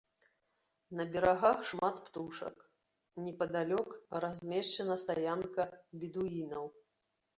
На берагах шмат птушак, непадалёк размешчана стаянка бедуінаў.